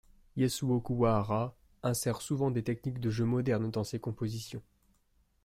Yasuo Kuwahara insère souvent des techniques de jeu moderne dans ses compositions.